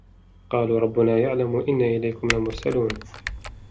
قَالُوا رَبُّنَا يَعْلَمُ إِنَّا إِلَيْكُمْ لَمُرْسَلُونَ